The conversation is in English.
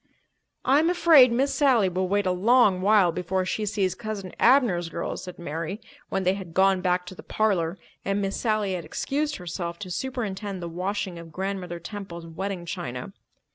"I'm afraid Miss Sally will wait a long while before she sees Cousin Abner's girls," said Mary, when they had gone back to the parlour and Miss Sally had excused herself to superintend the washing of Grandmother Temple's wedding china.